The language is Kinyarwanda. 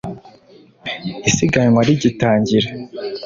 Isiganwa rigitangira